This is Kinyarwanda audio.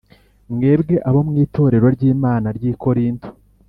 mwebwe abo mu itorero ry'Imana ry'i Korinto,